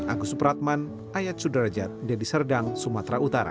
agus supratman ayat sudarajat dedi serdang sumatera utara